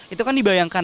itu kan dibayangkan